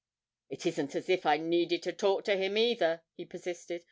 'It isn't as if I needed to talk to him either,' he persisted.